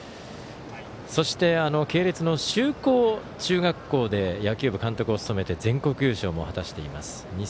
そして、系列のしゅうこう中学校で野球部監督を務めて全国優勝も果たしています。